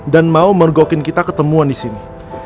dan mau mergokin kita ketemuan disini